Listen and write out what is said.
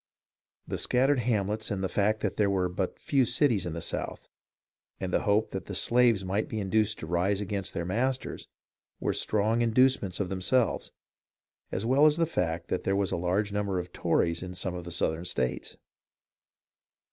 The scattered hamlets and the fact that there were but few cities in the South, and the hope that the slaves might be induced to rise against their masters, were strong inducements of themselves, as well as the fact that there was a large number of Tories in some of the Southern states.